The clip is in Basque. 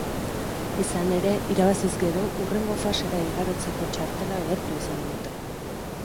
Izan ere, irabaziz gero, hurrengo fasera igarotzeko txartela gertu izango dute.